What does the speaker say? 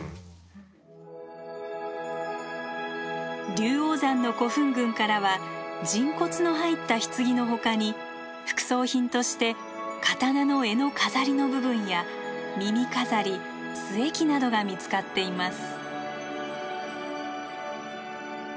龍王山の古墳群からは人骨の入った棺のほかに副葬品として刀の柄の飾りの部分や耳飾り須恵器などが見つかっています。